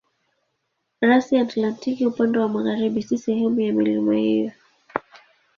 Rasi ya Antaktiki upande wa magharibi si sehemu ya milima hiyo.